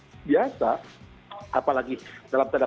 apalagi dalam tanda pedik tadi dugaan perkosaan saya aneh